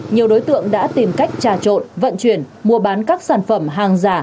nhiều đối tượng đã tìm cách trà trộn vận chuyển mua bán các sản phẩm hàng giả